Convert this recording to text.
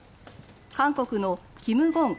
韓国のキム・ゴン